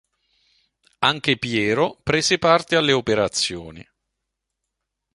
Anche Piero prese parte alle operazioni.